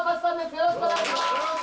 よろしくお願いします！